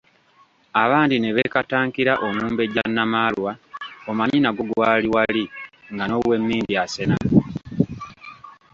Abandi ne beekatankira Omumbejja Namaalwa, omanyi nagwo gwali wali nga n'owemmindi asena!